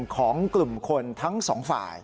ของกลุ่มคนทั้งสองฝ่าย